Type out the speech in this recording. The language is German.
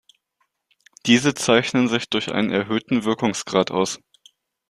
Diese zeichnen sich durch einen erhöhten Wirkungsgrad aus.